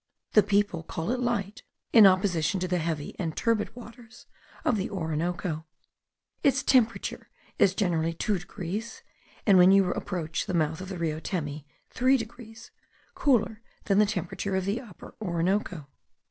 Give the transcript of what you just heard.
The people call it light, in opposition to the heavy and turbid waters of the Orinoco. Its temperature is generally two degrees, and when you approach the mouth of the Rio Temi, three degrees, cooler than the temperature of the Upper Orinoco.